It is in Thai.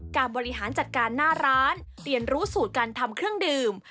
บริหารจัดการหน้าร้านเรียนรู้สูตรการทำเครื่องดื่ม